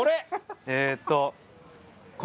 えーっと。